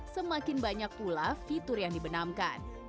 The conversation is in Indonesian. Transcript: semakin banyak pula fitur yang dibenamkan